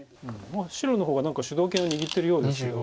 白の方が何か主導権を握ってるようですけど。